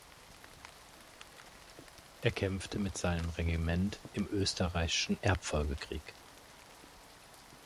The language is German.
Er kämpfte mit seinem Regiment im österreichischen Erbfolgekrieg.